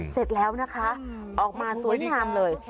เสร็จแล้วนะคะออกมาสวยงามเลย